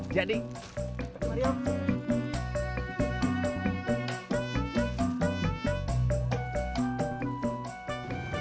jadi mari om